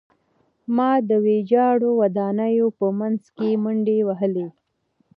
ما د ویجاړو ودانیو په منځ کې منډې وهلې